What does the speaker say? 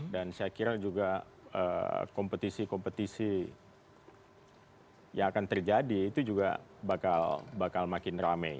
dan saya kira juga kompetisi kompetisi yang akan terjadi itu juga bakal makin rame